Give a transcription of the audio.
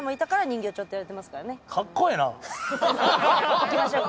行きましょうか。